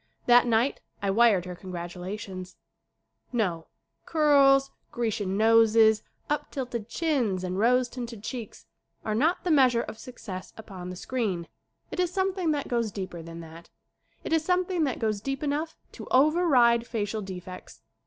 That night I wired her congratulations. 50 SCREEN ACTING No ; eurls, Grecian noses, up tilted chins and rose tinted cheeks are not the measure of suc cess upon the screen. It is something that goes deeper than that. It is something that goes deep enough to over ride facial defects.